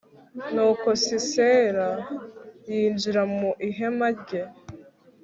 nuko sisera yinjira mu ihema rye